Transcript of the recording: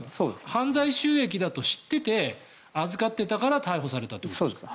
犯罪収益だと知っていて預かっていたから逮捕されたということですか？